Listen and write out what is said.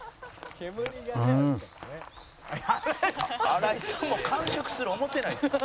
「荒井さんも完食する思ってないですって」